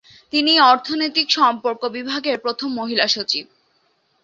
তিনিই অর্থনৈতিক সম্পর্ক বিভাগের প্রথম মহিলা সচিব।